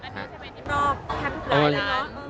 อันนี้ทำไมนี่อีกรอบแค่หลายร้าน